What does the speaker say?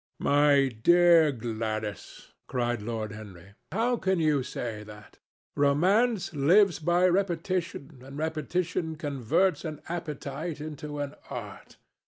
"My dear Gladys!" cried Lord Henry. "How can you say that? Romance lives by repetition, and repetition converts an appetite into an art.